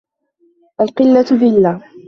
القلة ذلة